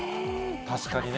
確かにね。